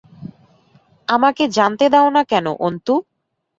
আমাকে জানতে দাও না কেন অন্তু?